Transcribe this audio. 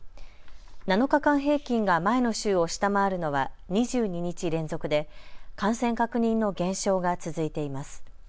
７日間平均が前の週を下回るのは２２日連続で感染確認の減少が続いています。